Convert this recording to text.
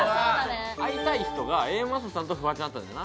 会いたい人がＡマッソさんとフワちゃんだったんだよな。